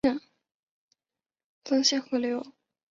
苏茂逃到下邳郡和董宪合流。